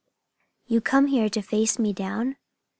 "You come here to face me down?"